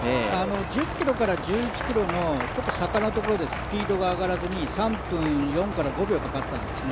１０ｋｍから１１ｋｍの坂のところでスピードが上がらずに３分４から５秒かかったんですね。